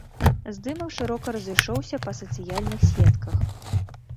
Здымак шырока разышоўся па сацыяльных сетках.